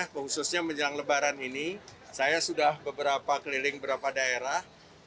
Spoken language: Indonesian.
khususnya menjelang lebaran ini saya sudah beberapa keliling beberapa daerah